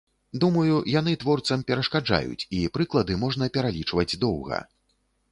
Думаю, яны творцам перашкаджаюць, і прыклады можна пералічваць доўга.